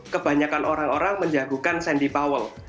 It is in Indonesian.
kebanyakan orang orang menjagukan sandy power